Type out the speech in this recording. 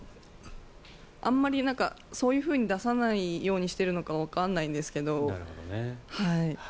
あんまりそういうふうに出さないようにしているのかわからないんですけど。